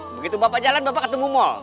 begitu bapak jalan bapak ketemu mal